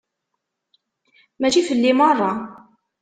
Mačči fell-i merra.